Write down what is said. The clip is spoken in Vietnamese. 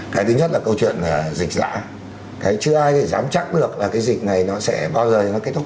cái thứ nhất là câu chuyện dịch dã chứ ai thì dám chắc được là cái dịch này nó sẽ bao giờ nó kết thúc